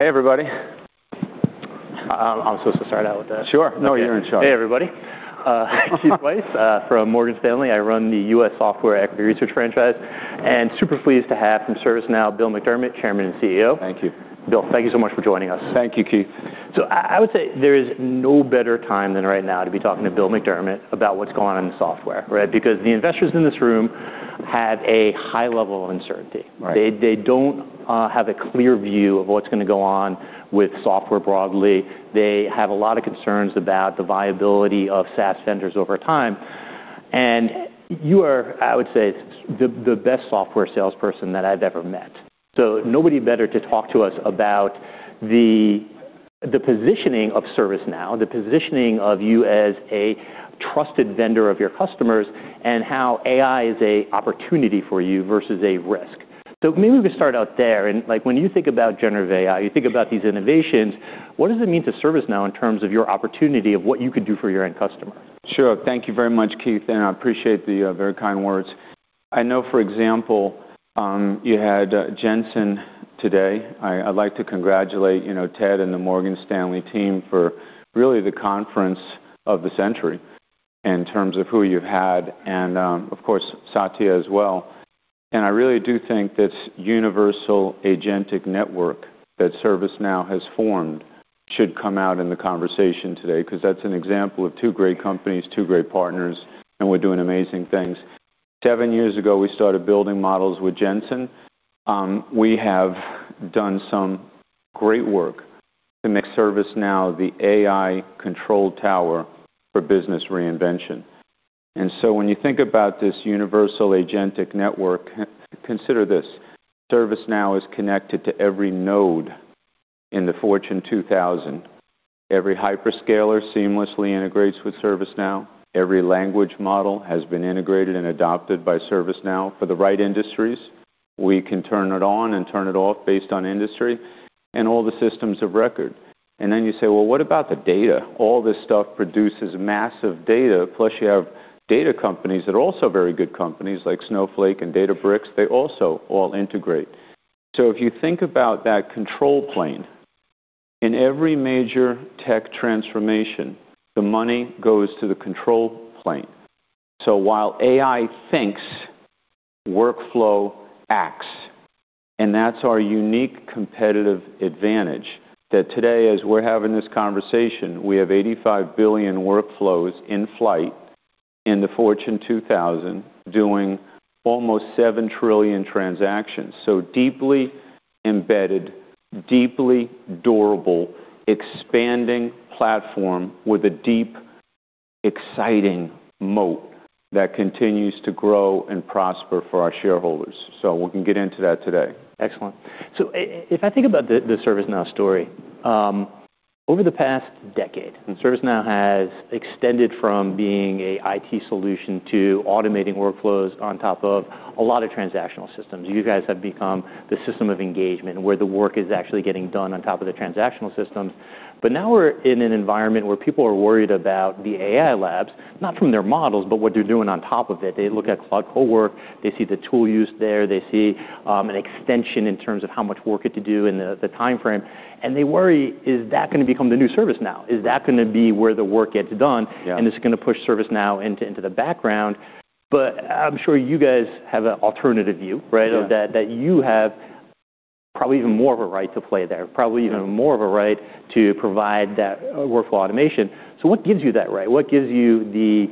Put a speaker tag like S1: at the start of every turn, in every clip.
S1: Hey, everybody.
S2: I'm supposed to start out with that?
S1: Sure. No, you're in charge.
S2: Hey, everybody. Keith Weiss from Morgan Stanley. I run the U.S. Software Equity Research franchise, and super pleased to have from ServiceNow, Bill McDermott, Chairman and CEO.
S1: Thank you.
S2: Bill, thank you so much for joining.
S1: Thank you, Keith.
S2: I would say there is no better time than right now to be talking to Bill McDermott about what's going on in software, right? The investors in this room have a high level of uncertainty.
S1: Right.
S2: They don't have a clear view of what's gonna go on with software broadly. They have a lot of concerns about the viability of SaaS vendors over time. You are, I would say, the best software salesperson that I've ever met. Nobody better to talk to us about the positioning of ServiceNow, the positioning of you as a trusted vendor of your customers, and how AI is a opportunity for you versus a risk. Maybe we start out there, and, like, when you think about generative AI, you think about these innovations, what does it mean to ServiceNow in terms of your opportunity of what you could do for your end customer?
S1: Sure. Thank you very much, Keith, and I appreciate the very kind words. I know, for example, you had Jensen today. I'd like to congratulate, you know, Ted and the Morgan Stanley team for really the conference of the century in terms of who you've had and, of course, Satya as well. I really do think this Universal Agentic Network that ServiceNow has formed should come out in the conversation today 'cause that's an example of two great companies, two great partners, and we're doing amazing things. Seven years ago, we started building models with Jensen. We have done some great work to make ServiceNow the AI Control Tower for business reinvention. When you think about this Universal Agentic Network, consider this: ServiceNow is connected to every node in the Fortune 2000. Every hyperscaler seamlessly integrates with ServiceNow. Every language model has been integrated and adopted by ServiceNow for the right industries. We can turn it on and turn it off based on industry and all the systems of record. You say, "Well, what about the data?" All this stuff produces massive data, plus you have data companies that are also very good companies, like Snowflake and Databricks. They also all integrate. If you think about that control plane, in every major tech transformation, the money goes to the control plane. While AI thinks, workflow acts, and that's our unique competitive advantage that today, as we're having this conversation, we have 85 billion workflows in flight in the Fortune 2000 doing almost 7 trillion transactions, so deeply embedded, deeply durable, expanding platform with a deep, exciting moat that continues to grow and prosper for our shareholders. We can get into that today.
S2: Excellent. If I think about the ServiceNow story, over the past decade, ServiceNow has extended from being a IT solution to automating workflows on top of a lot of transactional systems. You guys have become the system of engagement where the work is actually getting done on top of the transactional systems. Now we're in an environment where people are worried about the AI labs, not from their models, but what they're doing on top of it. They look at Cloud Cowork, they see, an extension in terms of how much work it could do in the timeframe, and they worry, is that gonna become the new ServiceNow? Is that gonna be where the work gets done.
S1: Yeah
S2: And it's gonna push ServiceNow into the background? I'm sure you guys have a alternative view, right?
S1: Yeah.
S2: That you have probably even more of a right to play there, probably even more of a right to provide that workflow automation. What gives you that right? What gives you the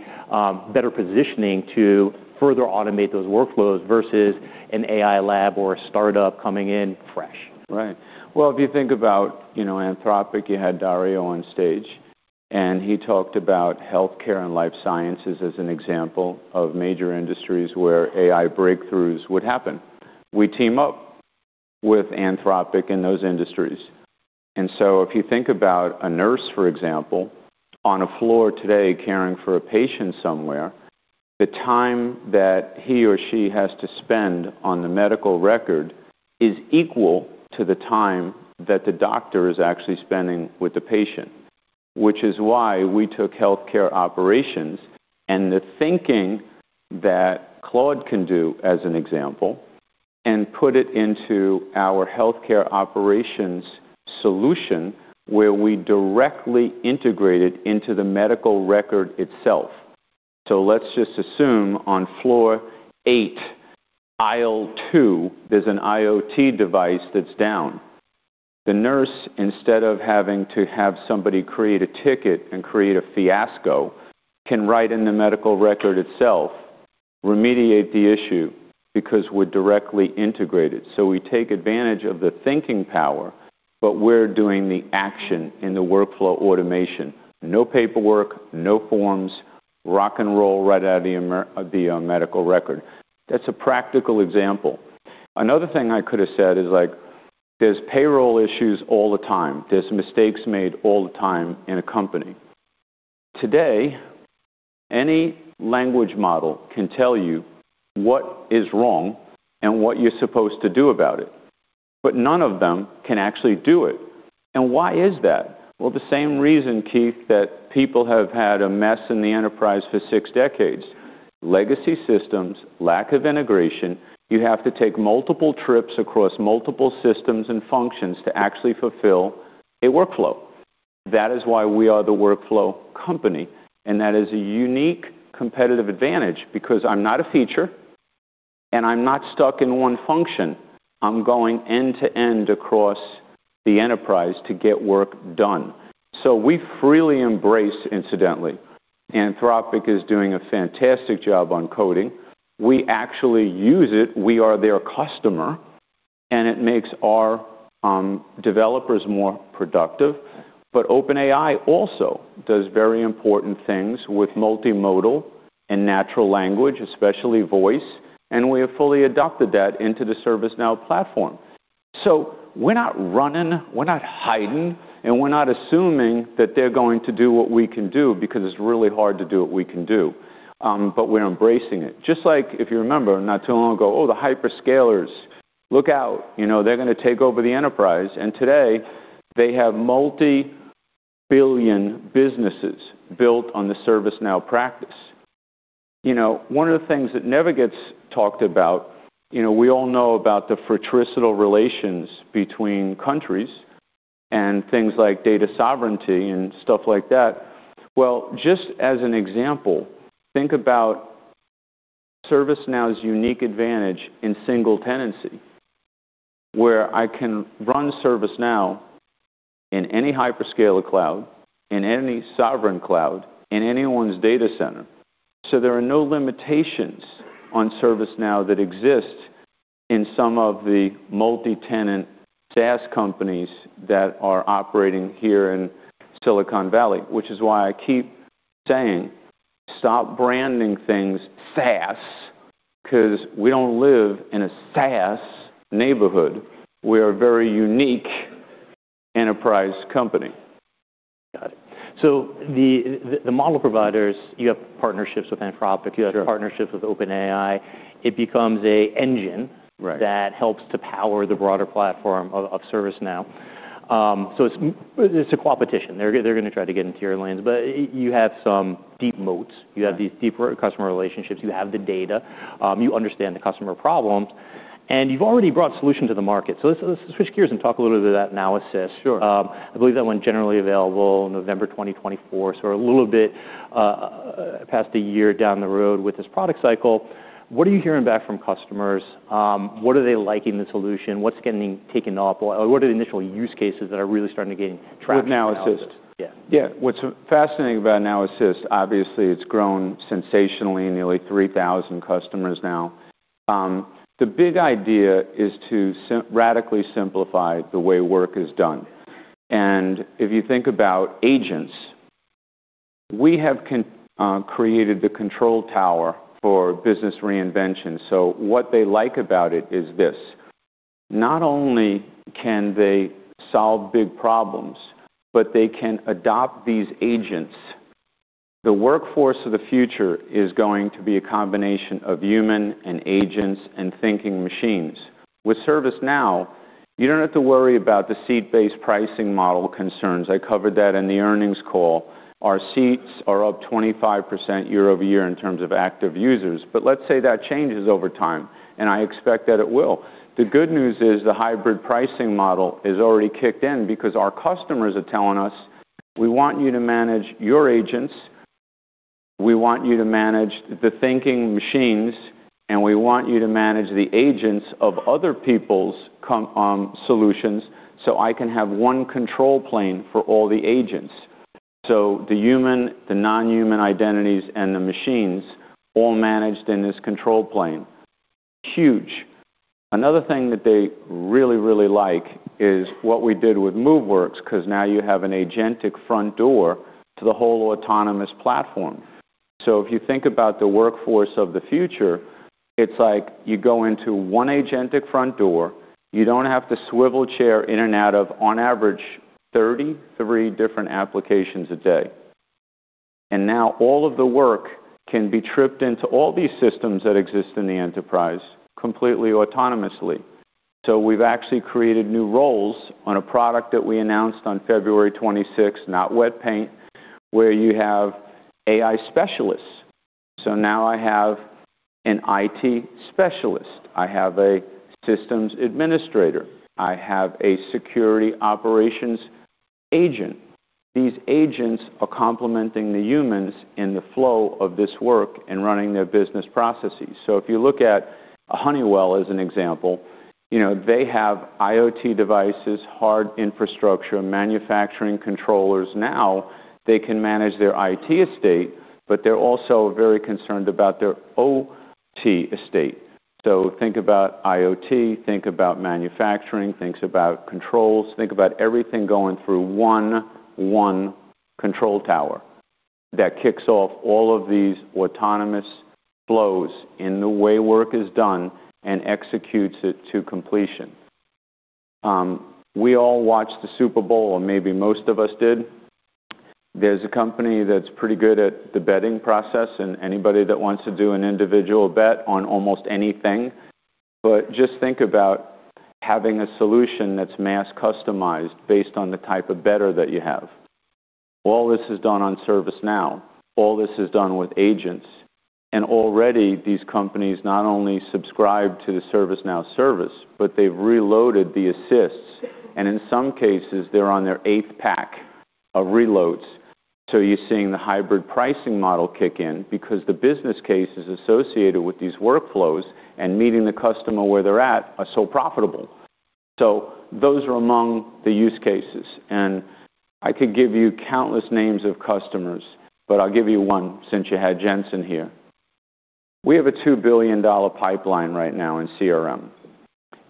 S2: better positioning to further automate those workflows versus an AI lab or a startup coming in fresh?
S1: Right. Well, if you think about, you know, Anthropic, you had Dario on stage, he talked about healthcare and life sciences as an example of major industries where AI breakthroughs would happen. We team up with Anthropic in those industries. If you think about a nurse, for example, on a floor today caring for a patient somewhere, the time that he or she has to spend on the medical record is equal to the time that the doctor is actually spending with the patient, which is why we took healthcare operations and the thinking that Claude can do, as an example, and put it into our healthcare operations solution where we directly integrate it into the medical record itself. Let's just assume on floor 8, aisle 2, there's an IoT device that's down. The nurse, instead of having to have somebody create a ticket and create a fiasco, can write in the medical record itself, remediate the issue, because we're directly integrated. We take advantage of the thinking power, but we're doing the action in the workflow automation. No paperwork, no forms, rock and roll right out of the medical record. That's a practical example. Another thing I could have said is, like, there's payroll issues all the time. There's mistakes made all the time in a company. Today, any language model can tell you what is wrong and what you're supposed to do about it, but none of them can actually do it. Why is that? Well, the same reason, Keith, that people have had a mess in the enterprise for six decades. Legacy systems, lack of integration, you have to take multiple trips across multiple systems and functions to actually fulfill a workflow. That is why we are the workflow company, and that is a unique competitive advantage because I'm not a feature and I'm not stuck in one function. I'm going end to end across the enterprise to get work done. We freely embrace, incidentally. Anthropic is doing a fantastic job on coding. We actually use it. We are their customer, and it makes our developers more productive. OpenAI also does very important things with multimodal and natural language, especially voice, and we have fully adopted that into the ServiceNow platform. We're not running, we're not hiding, and we're not assuming that they're going to do what we can do because it's really hard to do what we can do, but we're embracing it. Just like if you remember not too long ago, oh, the hyperscalers, look out, you know, they're gonna take over the enterprise. Today they have multi-billion businesses built on the ServiceNow practice. You know, one of the things that never gets talked about, you know, we all know about the fratricidal relations between countries and things like data sovereignty and stuff like that. Just as an example, think about ServiceNow's unique advantage in single tenancy, where I can run ServiceNow in any hyperscaler cloud, in any sovereign cloud, in anyone's data center. There are no limitations on ServiceNow that exist in some of the multi-tenant SaaS companies that are operating here in Silicon Valley, which is why I keep saying stop branding things SaaS 'cause we don't live in a SaaS neighborhood. We're a very unique enterprise company.
S2: Got it. The model providers, you have partnerships with Anthropic-
S1: Sure.
S2: You have partnerships with OpenAI. It becomes a.
S1: Right.
S2: That helps to power the broader platform of ServiceNow. It's a competition. They're gonna try to get into your lanes, but you have some deep moats.
S1: Right.
S2: You have these deep customer relationships. You have the data. You understand the customer problems, and you've already brought solutions to the market. Let's switch gears and talk a little bit of that Now Assist.
S1: Sure.
S2: I believe that went generally available November 2024, a little bit past a year down the road with this product cycle. What are you hearing back from customers? What are they liking the solution? What's getting taken up? What are the initial use cases that are really starting to gain traction out of this?
S1: With Now Assist?
S2: Yeah.
S1: Yeah. What's fascinating about Now Assist, obviously it's grown sensationally, nearly 3,000 customers now. The big idea is to radically simplify the way work is done. If you think about agents, we have created the control tower for business reinvention. What they like about it is this, not only can they solve big problems, but they can adopt these agents. The workforce of the future is going to be a combination of human and agents and thinking machines. With ServiceNow, you don't have to worry about the seat-based pricing model concerns. I covered that in the earnings call. Our seats are up 25% year-over-year in terms of active users. Let's say that changes over time, and I expect that it will. The good news is the hybrid pricing model is already kicked in because our customers are telling us, "We want you to manage your agents. We want you to manage the thinking machines, and we want you to manage the agents of other people's solutions, so I can have one control plane for all the agents." The human, the non-human identities, and the machines all managed in this control plane. Huge. Another thing that they really, really like is what we did with Moveworks, 'cause now you have an agentic front door to the whole autonomous platform. If you think about the workforce of the future, it's like you go into one agentic front door, you don't have to swivel chair in and out of on average 33 different applications a day. Now all of the work can be tripped into all these systems that exist in the enterprise completely autonomously. We've actually created new roles on a product that we announced on February 26th, Autonomous Workforce, where you have AI specialists. Now I have an IT specialist. I have a systems administrator. I have a security operations agent. These agents are complementing the humans in the flow of this work and running their business processes. If you look at Honeywell as an example, you know, they have IoT devices, hard infrastructure, manufacturing controllers. Now, they can manage their IT estate, but they're also very concerned about their OT estate. Think about IoT, think about manufacturing, think about controls, think about everything going through one control tower that kicks off all of these autonomous flows in the way work is done and executes it to completion. We all watched the Super Bowl, or maybe most of us did. There's a company that's pretty good at the betting process and anybody that wants to do an individual bet on almost anything. Just think about having a solution that's mass customized based on the type of bettor that you have. All this is done on ServiceNow. All this is done with agents. Already these companies not only subscribe to the ServiceNow service, but they've reloaded the Now Assists. In some cases, they're on their eighth pack of reloads. You're seeing the hybrid pricing model kick in because the business cases associated with these workflows and meeting the customer where they're at are so profitable. Those are among the use cases. I could give you countless names of customers, but I'll give you one since you had Jensen here. We have a $2 billion pipeline right now in CRM.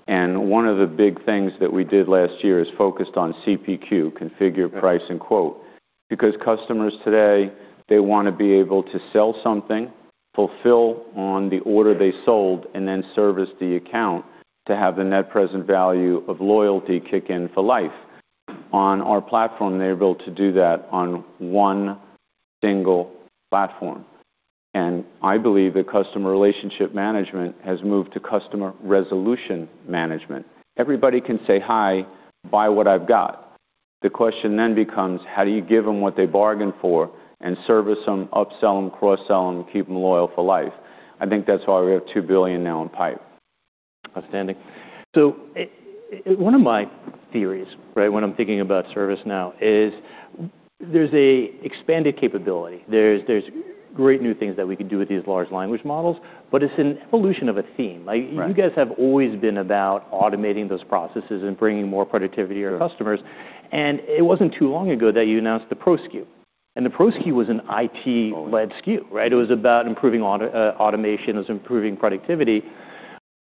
S1: One of the big things that we did last year is focused on CPQ, configure, price, and quote. Because customers today, they want to be able to sell something, fulfill on the order they sold, and then service the account to have the net present value of loyalty kick in for life. On our platform, they're able to do that on one single platform. I believe that customer relationship management has moved to customer resolution management. Everybody can say, "Hi, buy what I've got." The question becomes, how do you give them what they bargained for and service them, upsell them, cross-sell them, keep them loyal for life? I think that's why we have $2 billion now in pipe.
S2: Outstanding. One of my theories, right, when I'm thinking about ServiceNow is there's a expanded capability. There's great new things that we can do with these large language models, but it's an evolution of a theme. Like you guys have always been about automating those processes and bringing more productivity to your customers. It wasn't too long ago that you announced the Pro SKU. The Pro SKU was an IT-led SKU, right? It was about improving automation. It was improving productivity.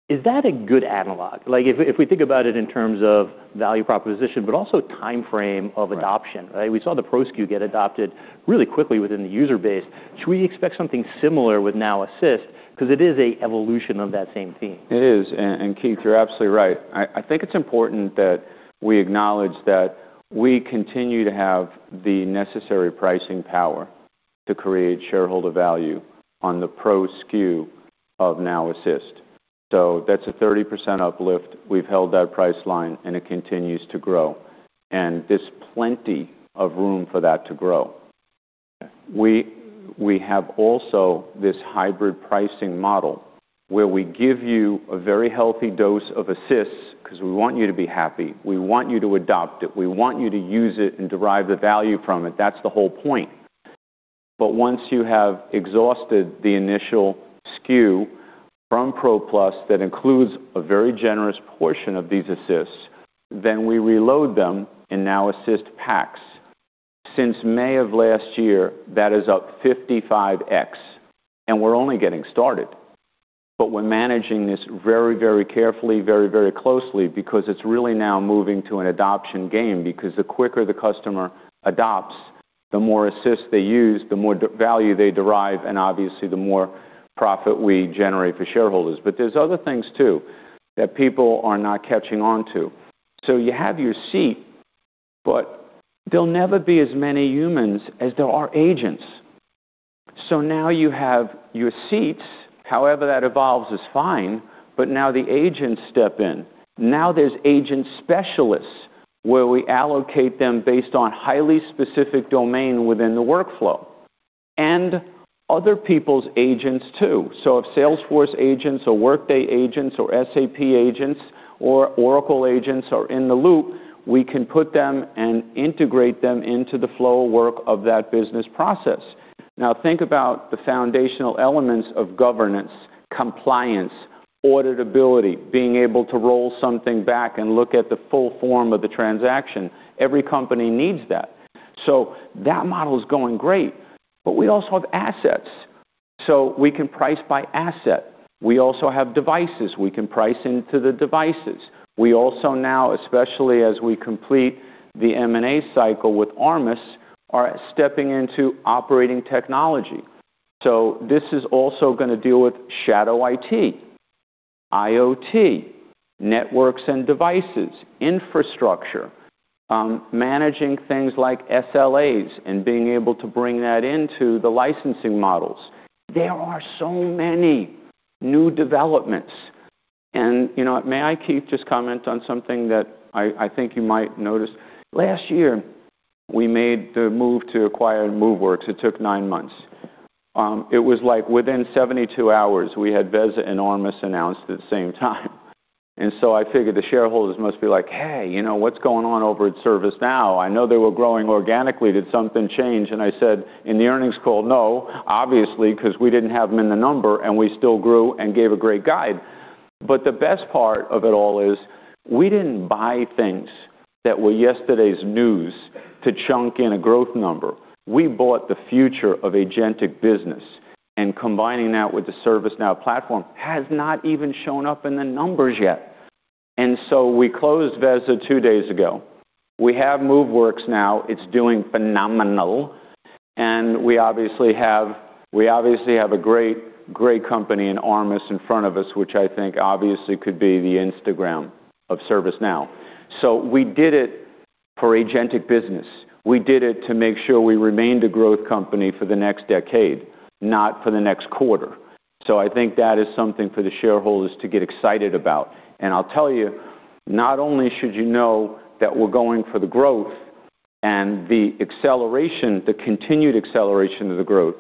S2: Is that a good analog? Like if we think about it in terms of value proposition, but also timeframe of adoption, right? We saw the Pro SKU get adopted really quickly within the user base. Should we expect something similar with Now Assist? Because it is a evolution of that same theme.
S1: It is. Keith, you're absolutely right. I think it's important that we acknowledge that we continue to have the necessary pricing power to create shareholder value on the Pro SKU of Now Assist. That's a 30% uplift. We've held that price line and it continues to grow. There's plenty of room for that to grow. We have also this hybrid pricing model where we give you a very healthy dose of assists because we want you to be happy. We want you to adopt it. We want you to use it and derive the value from it. That's the whole point. Once you have exhausted the initial SKU from Pro Plus that includes a very generous portion of these assists, then we reload them in Now Assist packs. Since May of last year, that is up 55x and we're only getting started. We're managing this very, very carefully, very, very closely because it's really now moving to an adoption game because the quicker the customer adopts, the more assists they use, the more value they derive, and obviously the more profit we generate for shareholders. There's other things too that people are not catching on to. You have your seat, but there'll never be as many humans as there are agents. Now you have your seats, however that evolves is fine, but now the agents step in. Now there's agent specialists where we allocate them based on highly specific domain within the workflow and other people's agents too. If Salesforce agents or Workday agents or SAP agents or Oracle agents are in the loop, we can put them and integrate them into the flow of work of that business process. Think about the foundational elements of governance, compliance, auditability, being able to roll something back and look at the full form of the transaction. Every company needs that. That model is going great, but we also have assets. We can price by asset. We also have devices. We can price into the devices. We also now, especially as we complete the M&A cycle with Armis, are stepping into operating technology. This is also going to deal with shadow IT, IoT, networks and devices, infrastructure, managing things like SLAs and being able to bring that into the licensing models. There are so many new developments. May I, Keith, just comment on something that I think you might notice. Last year, we made the move to acquire Moveworks. It took nine months. It was like within 72 hours, we had Veza and Armis announced at the same time. I figured the shareholders must be like, "Hey, what's going on over at ServiceNow? I know they were growing organically. Did something change?" I said in the earnings call, "No, obviously, because we didn't have them in the number and we still grew and gave a great guide." The best part of it all is we didn't buy things that were yesterday's news to chunk in a growth number. We bought the future of agentic business and combining that with the ServiceNow platform has not even shown up in the numbers yet. We closed Veza two days ago. We have Moveworks now. It's doing phenomenal. We obviously have a great company in Armis in front of us, which I think obviously could be the Instagram of ServiceNow. We did it for agentic business. We did it to make sure we remained a growth company for the next decade, not for the next quarter. I think that is something for the shareholders to get excited about. I'll tell you, not only should you know that we're going for the growth and the acceleration, the continued acceleration of the growth,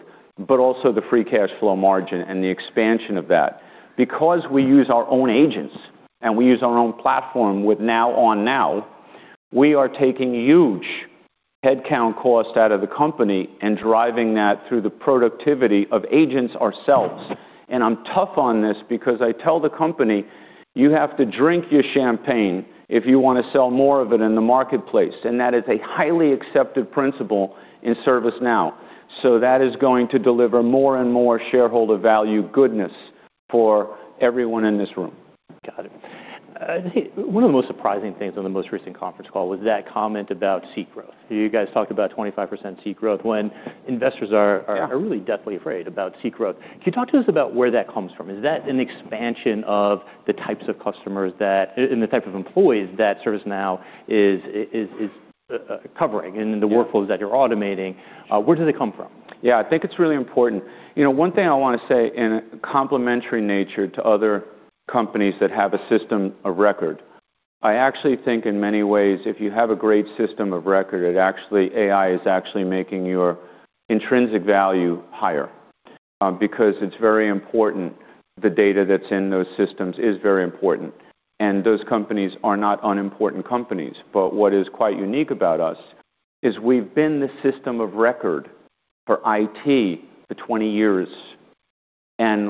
S1: but also the free cash flow margin and the expansion of that. Because we use our own agents and we use our own platform with Now on Now, we are taking huge headcount costs out of the company and driving that through the productivity of agents ourselves. I'm tough on this because I tell the company, you have to drink your champagne if you want to sell more of it in the marketplace. That is a highly accepted principle in ServiceNow. That is going to deliver more and more shareholder value goodness for everyone in this room.
S2: Got it. One of the most surprising things on the most recent conference call was that comment about seat growth. You guys talked about 25% seat growth when investors are really deathly afraid about seat growth. Can you talk to us about where that comes from? Is that an expansion of the types of customers and the type of employees that ServiceNow is covering and the workflows that you're automating? Where does it come from?
S1: I think it's really important. You know, one thing I want to say in a complementary nature to other companies that have a system of record, I actually think in many ways, if you have a great system of record, it actually, AI is actually making your intrinsic value higher because it's very important. The data that's in those systems is very important. Those companies are not unimportant companies. What is quite unique about us is we've been the system of record for IT for 20 years.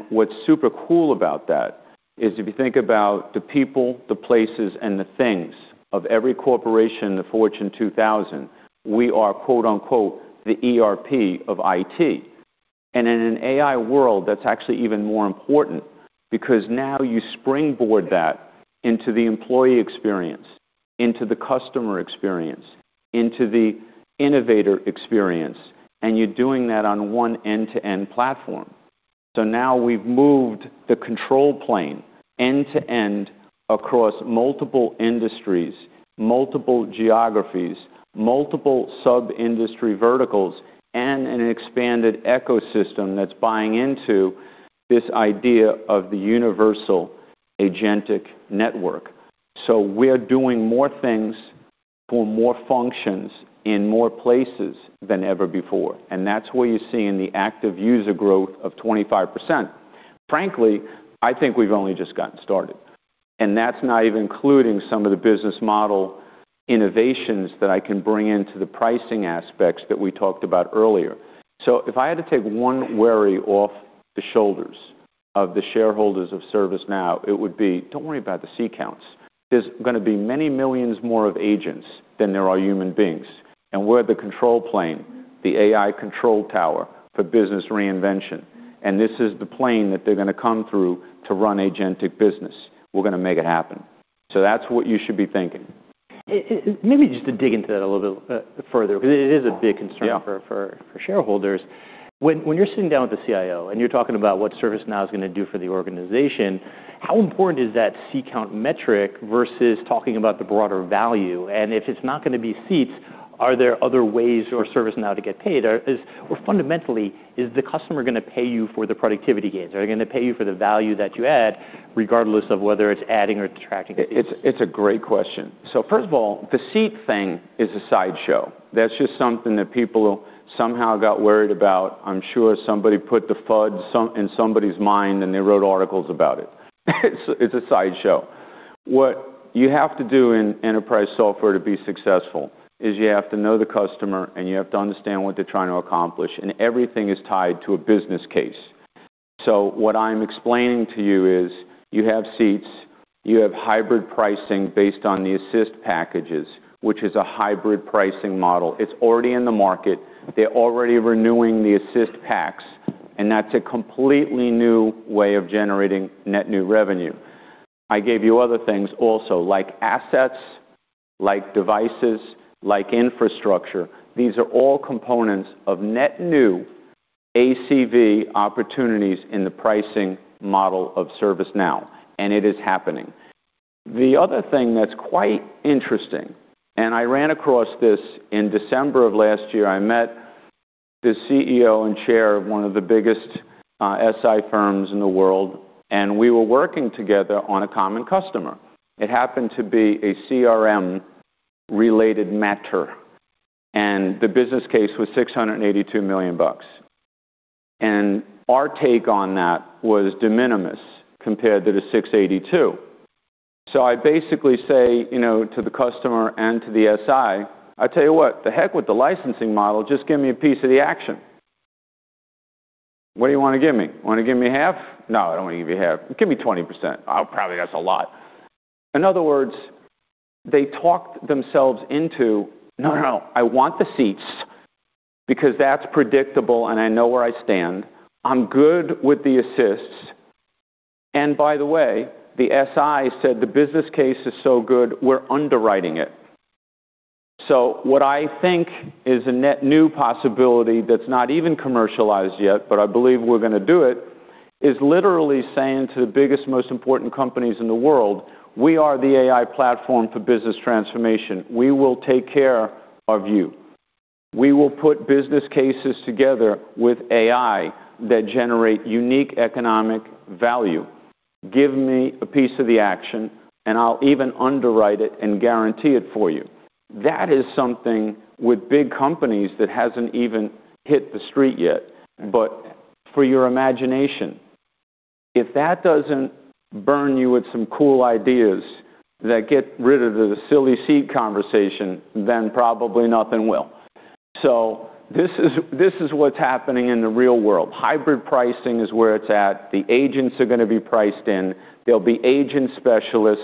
S1: What's super cool about that is if you think about the people, the places, and the things of every corporation in the Fortune 2000, we are quote unquote the ERP of IT. In an AI world, that's actually even more important because now you springboard that into the employee experience, into the customer experience, into the innovator experience. You're doing that on one end-to-end platform. Now we've moved the control plane end-to-end across multiple industries, multiple geographies, multiple sub-industry verticals, and an expanded ecosystem that's buying into this idea of the Universal Agentic Network. We're doing more things for more functions in more places than ever before. That's where you're seeing the active user growth of 25%. Frankly, I think we've only just gotten started. That's not even including some of the business model innovations that I can bring into the pricing aspects that we talked about earlier. If I had to take one worry off the shoulders of the shareholders of ServiceNow, it would be, don't worry about the seat counts. There's going to be many millions more of agents than there are human beings. We're the control plane, the AI Control Tower for business reinvention. This is the plane that they're going to come through to run agentic business. We're going to make it happen. That's what you should be thinking.
S2: Maybe just to dig into that a little bit further, because it is a big concern for shareholders. When you're sitting down with the CIO and you're talking about what ServiceNow is going to do for the organization, how important is that seat count metric versus talking about the broader value? If it's not going to be seats, are there other ways for ServiceNow to get paid? Fundamentally, is the customer going to pay you for the productivity gains? Are they going to pay you for the value that you add, regardless of whether it's adding or detracting?
S1: It's a great question. First of all, the seat thing is a sideshow. That's just something that people somehow got worried about. I'm sure somebody put the FUD in somebody's mind and they wrote articles about it. It's a sideshow. What you have to do in enterprise software to be successful is you have to know the customer and you have to understand what they're trying to accomplish. Everything is tied to a business case. What I'm explaining to you is you have seats, you have hybrid pricing based on the Assist packages, which is a hybrid pricing model. It's already in the market. They're already renewing the Assist packs. That's a completely new way of generating net new revenue. I gave you other things also like assets, like devices, like infrastructure. These are all components of net new ACV opportunities in the pricing model of ServiceNow. It is happening. The other thing that's quite interesting, I ran across this in December of last year, I met the CEO and chair of one of the biggest SI firms in the world. We were working together on a common customer. It happened to be a CRM related matter. The business case was $682 million. Our take on that was de minimis compared to the $682. I basically say, to the customer and to the SI, I tell you what, the heck with the licensing model, just give me a piece of the action. What do you want to give me? Want to give me half? No, I don't want to give you half. Give me 20%. Probably that's a lot. In other words, they talked themselves into, no, no, I want the seats because that's predictable and I know where I stand. I'm good with the assists. The SI said the business case is so good, we're underwriting it. What I think is a net new possibility that's not even commercialized yet, but I believe we're going to do it, is literally saying to the biggest, most important companies in the world, we are the AI platform for business transformation. We will take care of you. We will put business cases together with AI that generate unique economic value. Give me a piece of the action, and I'll even underwrite it and guarantee it for you. That is something with big companies that hasn't even hit the street yet. For your imagination, if that doesn't burn you with some cool ideas that get rid of the silly seat conversation, then probably nothing will. This is what's happening in the real world. Hybrid pricing is where it's at. The agents are going to be priced in. There'll be agent specialists,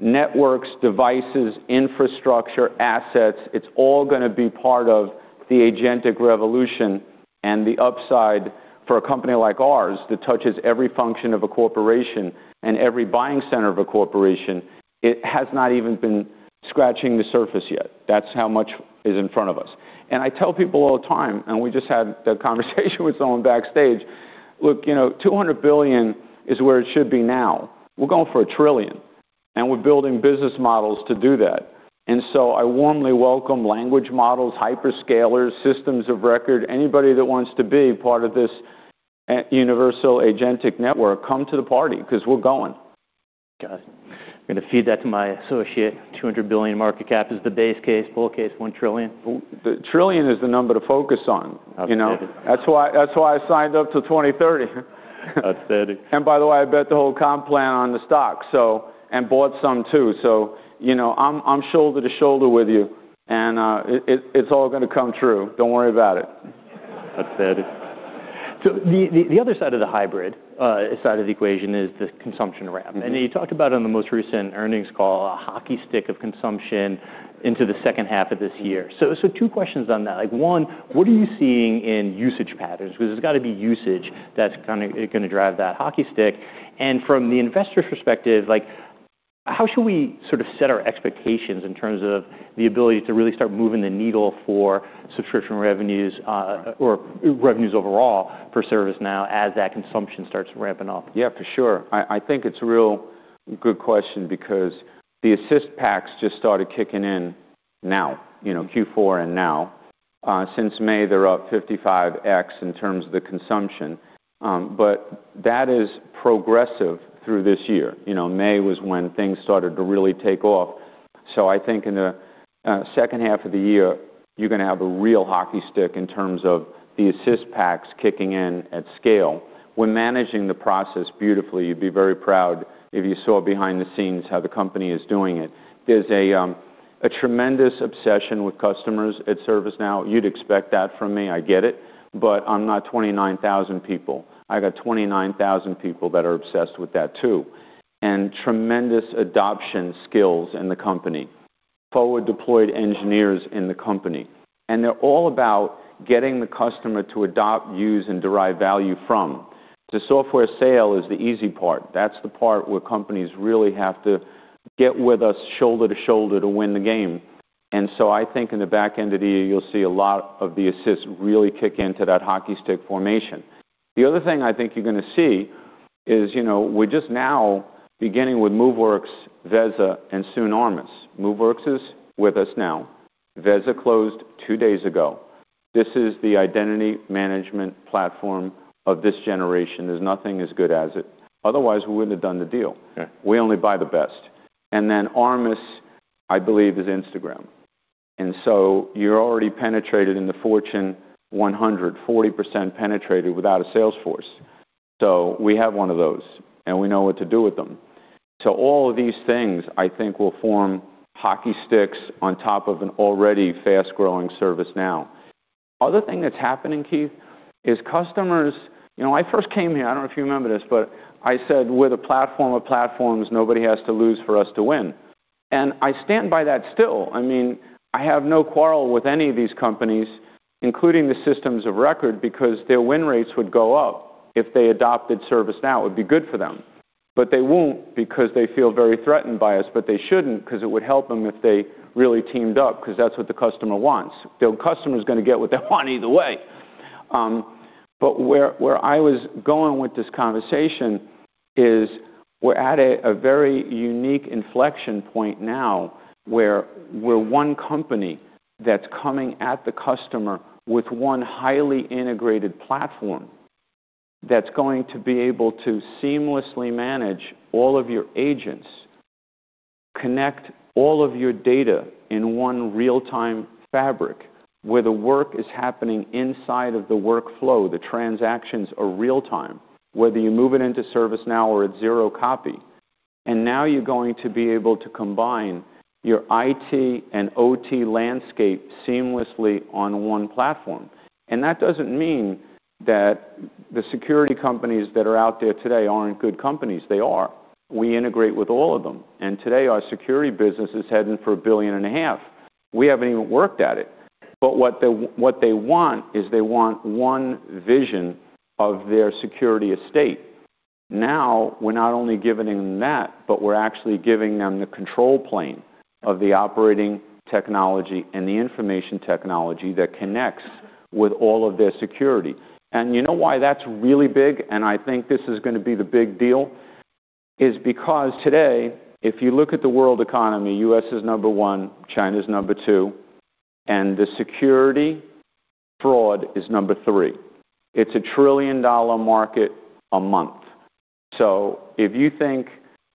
S1: networks, devices, infrastructure, assets. It's all going to be part of the agentic revolution, and the upside for a company like ours that touches every function of a corporation and every buying center of a corporation, it has not even been scratching the surface yet. That's how much is in front of us. I tell people all the time, and we just had that conversation with someone backstage, "Look, $200 billion is where it should be now. We're going for $1 trillion, and we're building business models to do that. I warmly welcome language models, hyperscalers, systems of record. Anybody that wants to be part of this Universal Agentic Network, come to the party because we're going.
S2: Got it. I'm going to feed that to my associate. $200 billion market cap is the base case. Bull case, $1 trillion.
S1: The trillion is the number to focus on.
S2: Okay.
S1: You know, that's why, that's why I signed up to 2030.
S2: That's steady.
S1: By the way, I bet the whole comp plan on the stock, so. Bought some, too. I'm shoulder to shoulder with you, and it's all gonna come true. Don't worry about it.
S2: That's steady. The other side of the hybrid side of the equation is the consumption ramp.
S1: Mm-hmm.
S2: You talked about on the most recent earnings call, a hockey stick of consumption into the second half of this year. Two questions on that. Like, one, what are you seeing in usage patterns? 'Cause there's got to be usage that's gonna drive that hockey stick. From the investor's perspective, like, how should we sort of set our expectations in terms of the ability to really start moving the needle for subscription revenues, or revenues overall for ServiceNow as that consumption starts ramping up?
S1: Yeah, for sure. I think it's a real good question because the assist packs just started kicking in now, Q4 and now. Since May, they're up 55x in terms of the consumption. That is progressive through this year. May was when things started to really take off. I think in the second half of the year, you're gonna have a real hockey stick in terms of the assist packs kicking in at scale. We're managing the process beautifully. You'd be very proud if you saw behind the scenes how the company is doing it. There's a tremendous obsession with customers at ServiceNow. You'd expect that from me, I get it. I'm not 29,000 people. I got 29,000 people that are obsessed with that too, tremendous adoption skills in the company, forward-deployed engineers in the company, and they're all about getting the customer to adopt, use, and derive value from. The software sale is the easy part. That's the part where companies really have to get with us shoulder to shoulder to win the game. I think in the back end of the year, you'll see a lot of the assists really kick into that hockey stick formation. The other thing I think you're gonna see is, we're just now beginning with Moveworks, Veza, and soon Armis. Moveworks is with us now. Veza closed two days ago. This is the identity management platform of this generation. There's nothing as good as it. Otherwise, we wouldn't have done the deal.
S2: Yeah.
S1: We only buy the best. Armis, I believe, is Instagram. You're already penetrated in the Fortune 100, 40% penetrated without a sales force. We have one of those, and we know what to do with them. All of these things, I think, will form hockey sticks on top of an already fast-growing ServiceNow. Other thing that's happening, Keith, is customers. You know, I first came here, I don't know if you remember this, but I said, "We're the platform of platforms. Nobody has to lose for us to win." I stand by that still. I mean, I have no quarrel with any of these companies, including the systems of record, because their win rates would go up if they adopted ServiceNow. It would be good for them. They won't because they feel very threatened by us. They shouldn't because it would help them if they really teamed up because that's what the customer wants. The customer's gonna get what they want either way. Where I was going with this conversation is we're at a very unique inflection point now where we're one company that's coming at the customer with one highly integrated platform that's going to be able to seamlessly manage all of your agents, connect all of your data in one real-time fabric where the work is happening inside of the workflow, the transactions are real time, whether you move it into ServiceNow or at zero copy. Now you're going to be able to combine your IT and OT landscape seamlessly on one platform. That doesn't mean that the security companies that are out there today aren't good companies. They are. We integrate with all of them. Today, our security business is heading for a billion and a half. We haven't even worked at it. What they want is they want 1 vision of their security estate. We're not only giving them that, but we're actually giving them the control plane of the operating technology and the information technology that connects with all of their security. You know why that's really big, and I think this is gonna be the big deal? Because today, if you look at the world economy, U.S. is number 1, China's number 2, and the security fraud is number 3. It's a trillion-dollar market a month. If you think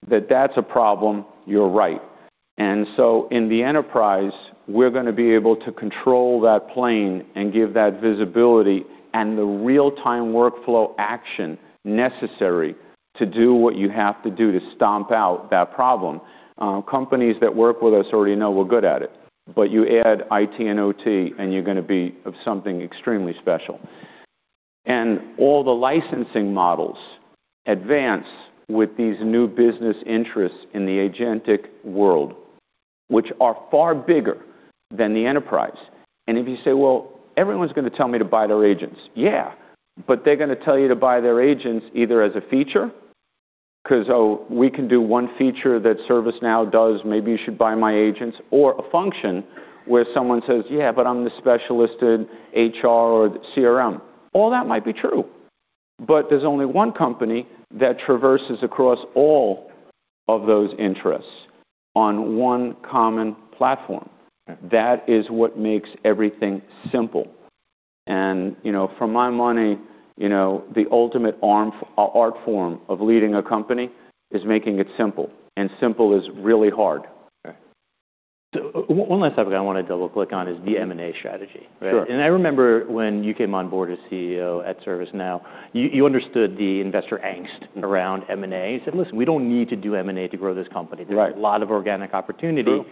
S1: that that's a problem, you're right. In the enterprise, we're gonna be able to control that plane and give that visibility and the real-time workflow action necessary to do what you have to do to stomp out that problem. Companies that work with us already know we're good at it. You add IT and OT, and you're gonna be of something extremely special. All the licensing models advance with these new business interests in the agentic world, which are far bigger than the enterprise. If you say, "Well, everyone's gonna tell me to buy their agents." They're gonna tell you to buy their agents either as a feature 'cause, "Oh, we can do one feature that ServiceNow does, maybe you should buy my agents," or a function where someone says, "Yeah, but I'm the specialist in HR or CRM." All that might be true, there's only one company that traverses across all of those interests on one common platform.
S2: Right.
S1: That is what makes everything simple. You know, for my money, the ultimate art form of leading a company is making it simple, and simple is really hard.
S2: Okay. One last topic I wanted to double click on is the M&A strategy, right?
S1: Sure.
S2: I remember when you came on board as CEO at ServiceNow, you understood the investor angst around M&A. You said, "Listen, we don't need to do M&A to grow this company.
S1: Right.
S2: There's a lot of organic opportunity.
S1: True.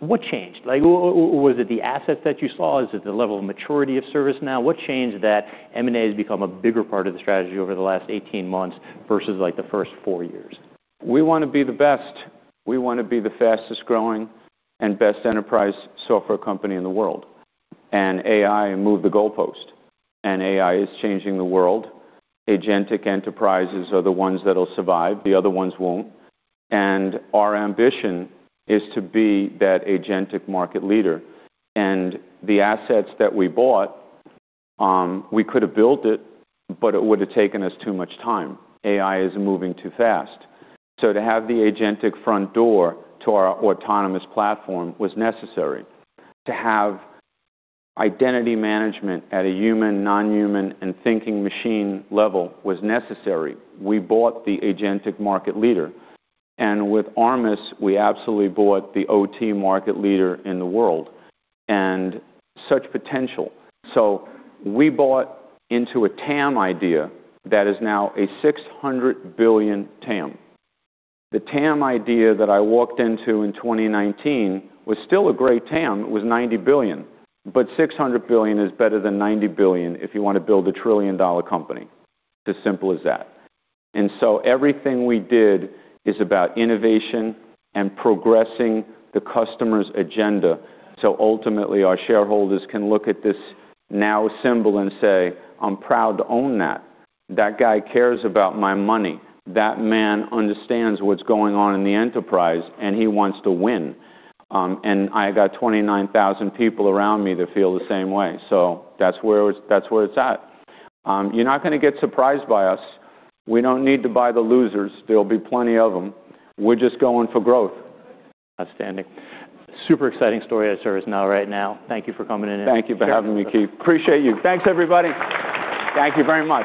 S2: What changed? Like, was it the assets that you saw? Is it the level of maturity of ServiceNow? What changed that M&A has become a bigger part of the strategy over the last 18 months versus, like, the first four years?
S1: We wanna be the best. We wanna be the fastest-growing and best enterprise software company in the world. AI moved the goalpost, AI is changing the world. Agentic enterprises are the ones that'll survive. The other ones won't. Our ambition is to be that agentic market leader. The assets that we bought, we could have built it, but it would have taken us too much time. AI is moving too fast. To have the agentic front door to our autonomous platform was necessary. To have identity management at a human, non-human, and thinking machine level was necessary. We bought the agentic market leader. With Armis, we absolutely bought the OT market leader in the world and such potential. We bought into a TAM idea that is now a $600 billion TAM. The TAM idea that I walked into in 2019 was still a great TAM. It was $90 billion. $600 billion is better than $90 billion if you want to build a trillion-dollar company. It's as simple as that. Everything we did is about innovation and progressing the customer's agenda, so ultimately, our shareholders can look at this Now symbol and say, "I'm proud to own that. That guy cares about my money. That man understands what's going on in the enterprise, and he wants to win." I got 29,000 people around me that feel the same way. That's where it's at. You're not gonna get surprised by us. We don't need to buy the losers. There'll be plenty of them. We're just going for growth.
S2: Outstanding. Super exciting story at ServiceNow right now. Thank you for coming in.
S1: Thank you for having me, Keith. Appreciate you. Thanks, everybody. Thank you very much.